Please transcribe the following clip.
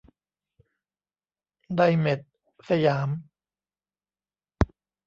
ไดเมท สยาม